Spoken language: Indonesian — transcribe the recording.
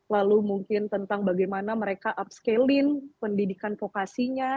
lalu mungkin tentang bagaimana mereka upscaling pendidikan fokasinya